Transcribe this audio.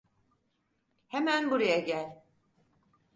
Hemen buraya gel!